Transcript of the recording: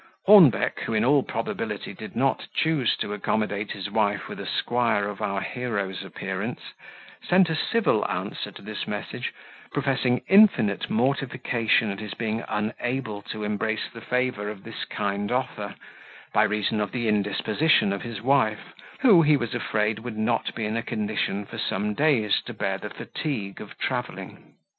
Hornbeck, who in all probability did not choose to accommodate his wife with a squire of our hero's appearance, sent a civil answer to his message, professing infinite mortification at his being unable to embrace the favour of this kind offer, by reason of the indisposition of his wife, who, he was afraid, would not be in a condition for some days to bear the fatigue of travelling.